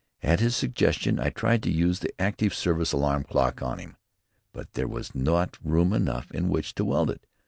At his suggestion I tried to use the active service alarm clock on him, but there was not room enough in which to wield it.